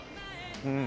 うん。